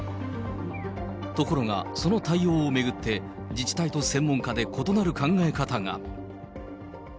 ところが、その対応を巡って、自治体と専門家で異なる考え方が。